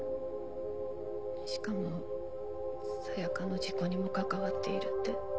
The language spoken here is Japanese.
しかも紗弥香の事故にも関わっているって。